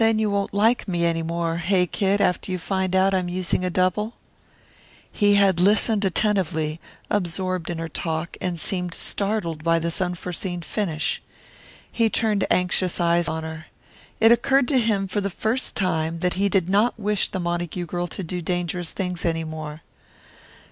"Then you won't like me any more, hey, Kid, after you find out I'm using a double?" He had listened attentively, absorbed in her talk, and seemed startled by this unforeseen finish. He turned anxious eyes on her. It occurred to him for the first time that he did not wish the Montague girl to do dangerous things any more.